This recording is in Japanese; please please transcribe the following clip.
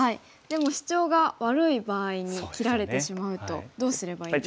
でもシチョウが悪い場合に切られてしまうとどうすればいいですか？